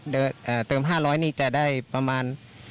เติม๕๐๐นี่จะได้ประมาณ